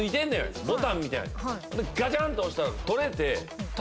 ガチャンと押したら取れて。